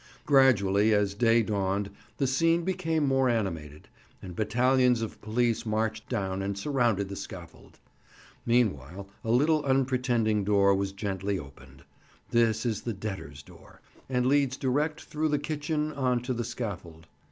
Gradually as day dawned the scene became more animated, and battalions of police marched down and surrounded the scaffold. Meanwhile a little unpretending door was gently opened; this is the "debtors' door," and leads direct through the kitchen on to the scaffold.